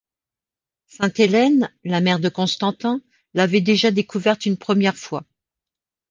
Sainte Hélène, la mère de Constantin, l’avait déjà découverte une première fois.